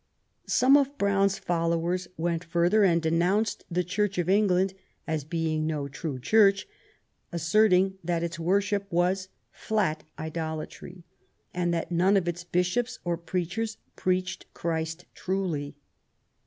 Some of Browne's followers went further and THE NEW ENGLAND. 265 denounced the Church of England as being no true Church, asserting that its worship was flat idolatry '* and that none of its Bishops or preachers preached Christ truly.